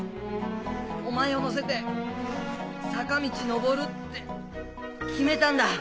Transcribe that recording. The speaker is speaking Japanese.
お前を乗せて坂道上るって決めたんだ！